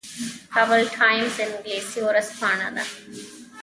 کابل ټایمز انګلیسي ورځپاڼه ده